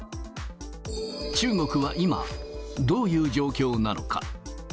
中国は今、どういう状況なのか。